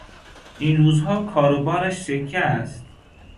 این روزها کار و بارش سکه است.